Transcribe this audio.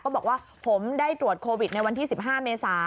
บอกว่าผมได้ตรวจโควิดในวันที่๑๕เมษา